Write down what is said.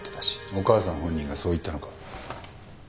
お母さん本人がそう言ったのか？